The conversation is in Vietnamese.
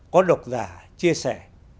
có độc giả chia sẻ